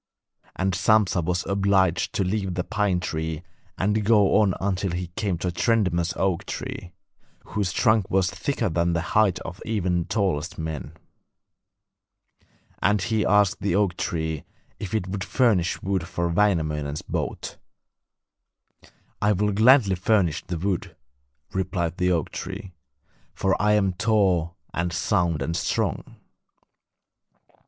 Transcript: And Sampsa was obliged to leave the pine tree and go on until he came to a tremendous oak tree, whose trunk was thicker than the height of even the tallest men. And he asked the oak tree if it would furnish wood for Wainamoinen's boat. 'I will gladly furnish the wood,' replied the oak tree, 'for I am tall and sound and strong.